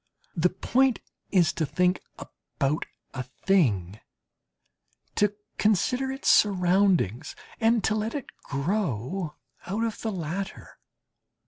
The point is to think about a thing, to consider its surroundings, and to let it grow out of the latter.